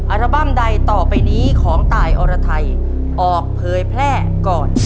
อัลบั้มใดต่อไปนี้ของตายอรไทยออกเผยแพร่ก่อน